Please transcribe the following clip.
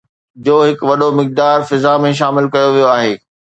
جو هڪ وڏو مقدار فضا ۾ شامل ڪيو ويو آهي